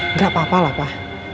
nggak apa apa lah pak